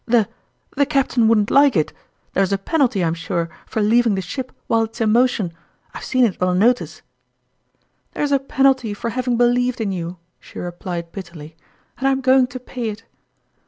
" The the captain wouldn't like it. There's a penalty, I'm sure, for leav ing the ship while it's in motion I've seen it on a notice !"" There is a penalty for having believed in you," she replied bitterly, " and I am going to pay it!"